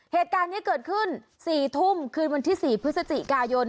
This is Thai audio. เหตุการณ์นี้เกิดขึ้น๔ทุ่มคืนวันที่๔พฤศจิกายน